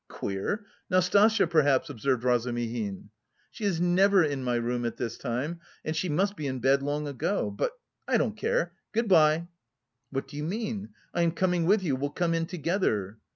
"Queer! Nastasya, perhaps," observed Razumihin. "She is never in my room at this time and she must be in bed long ago, but... I don't care! Good bye!" "What do you mean? I am coming with you, we'll come in together!"